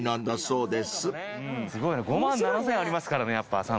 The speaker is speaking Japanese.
すごい５万７，０００ありますからねやっぱサンプルが。